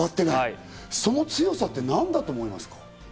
その強さって何だと思いますか？